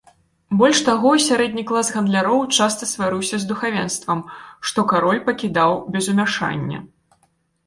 Больш таго, сярэдні клас гандляроў часта сварыўся з духавенствам, што кароль пакідаў без умяшання.